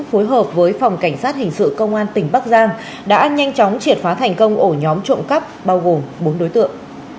phối hợp với phòng cảnh sát hình sự công an tỉnh bắc giang đã nhanh chóng triệt phá thành công ổ nhóm trộm cắp bao gồm bốn đối tượng